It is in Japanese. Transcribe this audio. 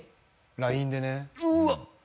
ＬＩＮＥでねうわっ！